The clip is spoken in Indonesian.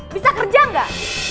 bisa kerja gak